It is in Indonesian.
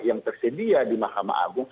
yang tersedia di mahkamah agung